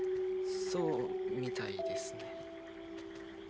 そうみたいですね。